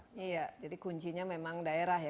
iya jadi kuncinya memang daerah ya